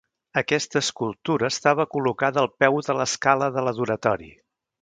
Aquesta escultura estava col·locada al peu de l'escala de l'adoratori.